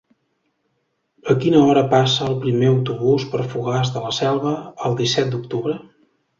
A quina hora passa el primer autobús per Fogars de la Selva el disset d'octubre?